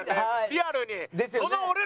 リアルに。